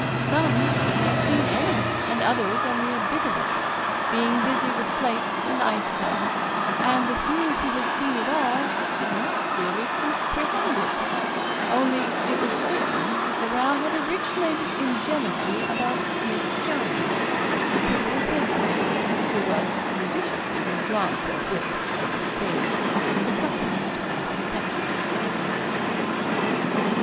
Some had not seen any, and others only a bit of it, being busy with plates and ice tubs; and the few who had seen it all did not clearly comprehend it only it was certain that the row had originated in jealousy about Miss Jones, the pretty apprentice, who was judiciously withdrawn forthwith by Mrs. Page, the properest of confectioners.